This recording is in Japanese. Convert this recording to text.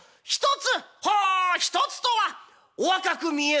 ほう１つとはお若く見える」。